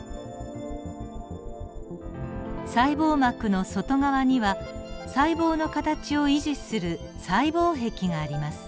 細胞膜の外側には細胞の形を維持する細胞壁があります。